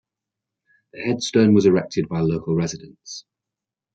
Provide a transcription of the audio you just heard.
The headstone was erected by local residents.